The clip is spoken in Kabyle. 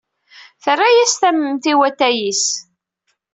Terra-as tamemt i watay-is.